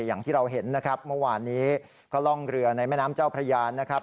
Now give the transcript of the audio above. อย่างที่เราเห็นนะครับเมื่อวานนี้ก็ล่องเรือในแม่น้ำเจ้าพระยานนะครับ